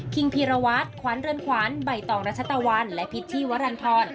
คิงพิรวาสขวัญเริ่นขวานใบต่องรัชตะวันและพิธีวรรณฑร